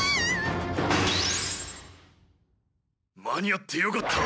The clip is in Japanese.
間に合ってよかった。